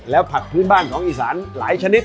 แล้วผักพื้นบ้านของอีสานหลายชนิด